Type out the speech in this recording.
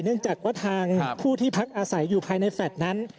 เนื่องจากว่าทางผู้ที่พักอาศัยอยู่ภายในแฟลต์นั้น